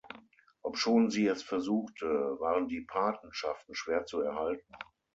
Obschon sie es versuchte, waren die Patenschaften schwer zu erhalten.